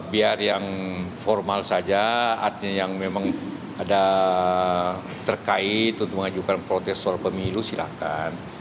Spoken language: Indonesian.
biar yang formal saja artinya yang memang ada terkait untuk mengajukan protesor pemilu silakan